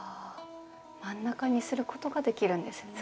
真ん中にすることができるんですね。